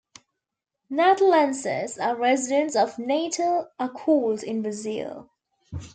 "Natalenses", as residents of Natal are called in Brazil.